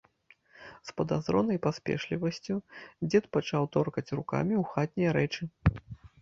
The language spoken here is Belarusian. З падазронай паспешлівасцю дзед пачаў торкаць рукамі ў хатнія рэчы.